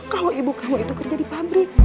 kalau ibu kamu itu kerja di pabrik